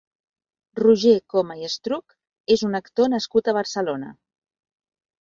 Roger Coma i Estruch és un actor nascut a Barcelona.